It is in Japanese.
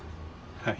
はい。